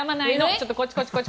ちょっと、こっちこっち。